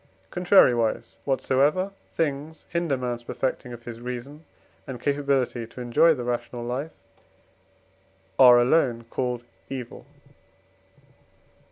Contrariwise, whatsoever things hinder man's perfecting of his reason, and capability to enjoy the rational life, are alone called evil.